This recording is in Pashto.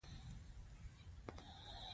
لس زره کاله مخکې غنم یو وحشي واښه و.